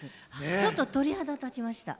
ちょっと鳥肌立ちました。